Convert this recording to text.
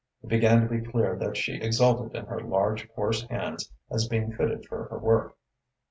It began to be clear that she exulted in her large, coarse hands as being fitted for her work.